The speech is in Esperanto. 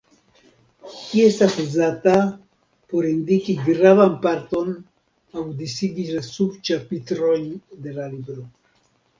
Ĝi estas uzata por indiki gravan parton aŭ disigi la sub-ĉapitrojn de libro.